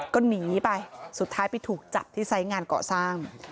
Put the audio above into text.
ก็หนีไปสุดท้ายไปถูกจับที่ไซส์งานก่อสร้าง